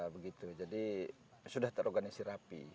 begitu jadi sudah terorganisir rapi